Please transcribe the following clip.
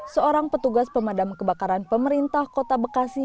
seorang petugas pemadam kebakaran pemerintah kota bekasi